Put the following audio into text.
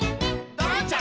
「ドロンチャ！